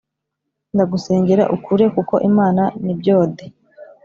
Ndagusengera ukure kuko Imana nibyode